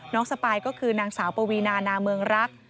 สปายก็คือนางสาวปวีนานาเมืองรัก